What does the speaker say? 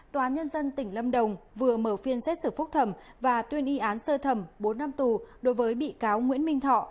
tòa nhân dân tỉnh lâm đồng vừa mở phiên xét xử phúc thẩm và tuyên y án sơ thẩm bốn năm tù đối với bị cáo nguyễn minh thọ